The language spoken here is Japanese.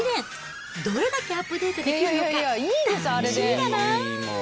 どれだけアップデートできるのか、楽しみだな。